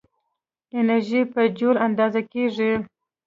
انرژي په جول اندازه کېږي.